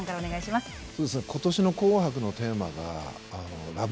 今年の「紅白」のテーマがＬＯＶＥ